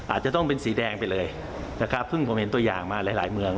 อาจจะต้องเป็นสีแดงไปเลยเพิ่งผมเห็นตัวอย่างมาหลายเมือง